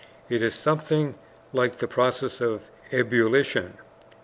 It is something like the process of ebullition.